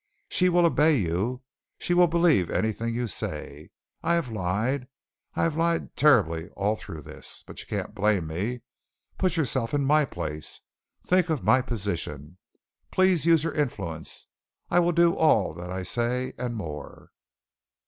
She will obey you. She will believe anything you say. I have lied. I have lied terribly all through this, but you can't blame me. Put yourself in my place. Think of my position. Please use your influence. I will do all that I say and more."